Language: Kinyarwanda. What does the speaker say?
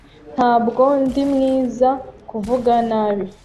Ntabwo ndi mwiza kuvuga nabi.